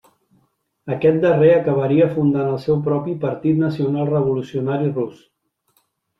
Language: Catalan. Aquest darrer acabaria fundant el seu propi 'Partit Nacional Revolucionari Rus'.